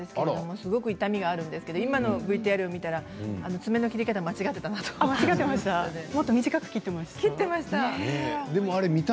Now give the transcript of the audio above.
すごく痛みがあるんですけれどさっきのＶＴＲを見たら爪の切り方が間違えていたなと思いました。